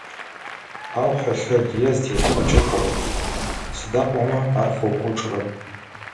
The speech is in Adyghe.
Ау хьылъэ лые зытеплъхьэкӏэ кӏорэп, сыда пӏомэ ар фэукӏочӏырэп.